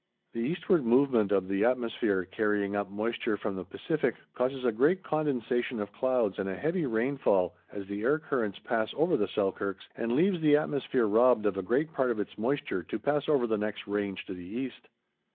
The eastward movement of the atmosphere, carrying up moisture from the Pacific, causes a great condensation of clouds and a heavy rainfall as the air currents pass over the Selkirks, and leaves the atmosphere robbed of a great part of its moisture to pass over the next range to the east.